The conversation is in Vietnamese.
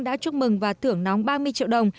đã chúc mừng và thưởng nóng ba mươi triệu đồng